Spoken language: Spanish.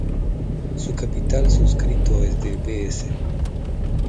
Su capital suscrito es de Bs.